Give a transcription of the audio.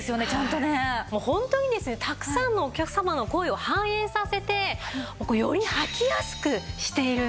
もうホントにですねたくさんのお客様の声を反映させてよりはきやすくしているんですよ。